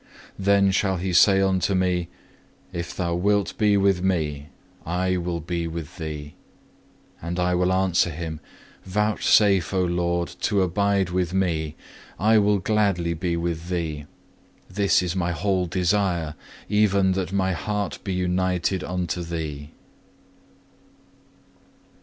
Then shall He say unto me, "If thou wilt be with Me, I will be with thee." And I will answer Him, "Vouchsafe, O Lord, to abide with me, I will gladly be with Thee; this is my whole desire, even that my heart be united unto Thee."